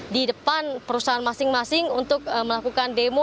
di depan perusahaan masing masing untuk melakukan demo